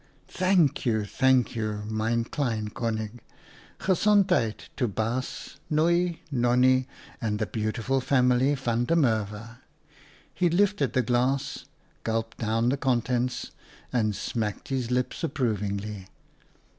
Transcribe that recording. " Thank you, thank you, mij klein koning. Gezondheid to Baas, Nooi, Nonnie, and the beautiful family van der Merwe." He lifted the glass, gulped down the contents, and smacked his lips approvingly.